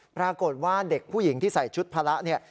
ปรากฏว่าเด็กผู้หญิงที่ใส่ชุดภาระเนี่ย